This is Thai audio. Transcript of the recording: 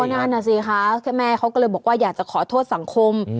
นั่นน่ะสิคะแค่แม่เขาก็เลยบอกว่าอยากจะขอโทษสังคม